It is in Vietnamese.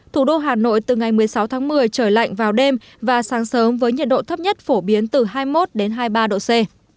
thủ đô hà nội từ ngày một mươi sáu tháng một mươi trời lạnh vào đêm và sáng sớm với nhiệt độ thấp nhất phổ biến từ hai mươi một hai mươi ba độ c